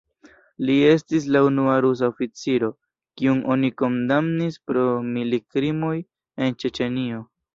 Li estis la unua rusa oficiro, kiun oni kondamnis pro militkrimoj en Ĉeĉenio.